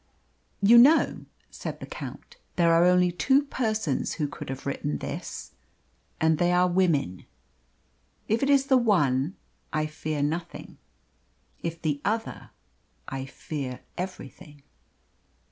"You know," said the Count, "there are only two persons who could have written this and they are women. If it is the one, I fear nothing; if the other, I fear everything."